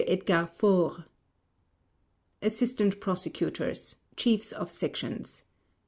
Edgar Faure ASSISTANT PROSECUTORS (Chiefs of Sections): M.